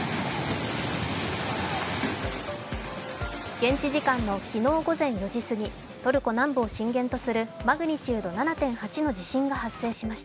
現地時間の昨日午前４時すぎ、トルコ南部を震源とするマグニチュード７．８の地震が発生しました。